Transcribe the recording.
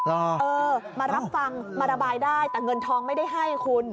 เออมารับฟังมาระบายได้แต่เงินทองไม่ได้ให้คุณ